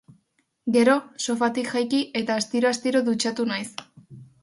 Gero, sofatik jaiki eta astiro-astiro dutxatu naiz.